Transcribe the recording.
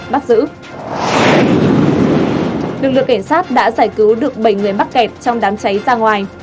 lực lượng cảnh sát đã giải cứu được bảy người bắt kẹt trong đám cháy ra ngoài